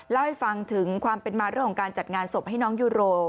เล่าให้ฟังถึงความเป็นมาเรื่องของการจัดงานศพให้น้องยูโร